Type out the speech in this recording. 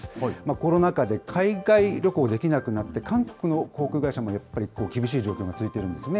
コロナ禍で海外旅行、できなくなって、韓国の航空会社も、やっぱり厳しい状況が続いているんですね。